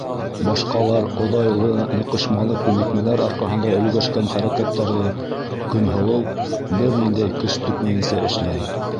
Башҡалар оҙайлы, ныҡышмалы күнекмәләр арҡаһында өлгәшкән хәрәкәттәрҙе Көнһылыу бер ниндәй көс түкмәйенсә эшләй!